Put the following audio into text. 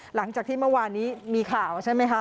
หลังจากที่เมื่อวานนี้มีข่าวใช่ไหมคะ